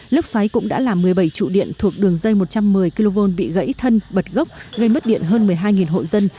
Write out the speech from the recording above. lốc xoáy cũng đã làm một mươi bảy trụ điện thuộc đường dây một trăm một mươi kv bị gãy thân bật gốc gây mất điện hơn một mươi hai hộ dân